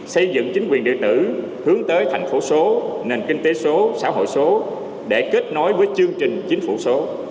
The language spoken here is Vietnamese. xây dựng chính quyền địa tử hướng tới thành phố số nền kinh tế số xã hội số để kết nối với chương trình chính phủ số